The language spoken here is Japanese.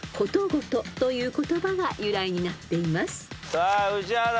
さあ宇治原。